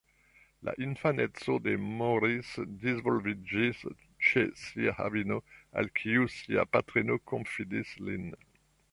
La infaneco de Maurice disvolviĝis ĉe sia avino, al kiu sia patrino konfidis lin.